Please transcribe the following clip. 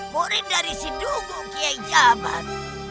morin dari sidungu kiyai jabat